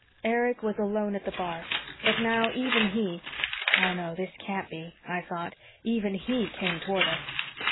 Erich was alone at the bar, but now even he "Oh, no, this can't be," I thought even he came toward us.